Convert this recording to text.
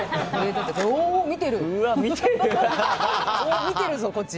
おお、見てるぞ、こっち。